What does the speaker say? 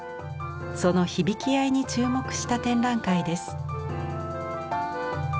その響き合いに注目した展覧会です。